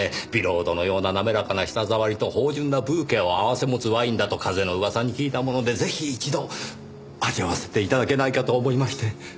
ビロードのような滑らかな舌触りと芳醇なブーケを併せ持つワインだと風の噂に聞いたものでぜひ一度味わわせて頂けないかと思いまして。